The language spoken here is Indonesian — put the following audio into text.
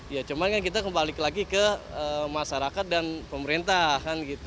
ya cuman kan kita kembali lagi ke masyarakat dan pemerintah